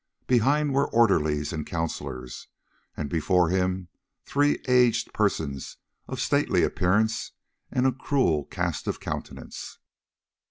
Behind were orderlies and counsellors, and before him three aged persons of stately appearance and a cruel cast of countenance.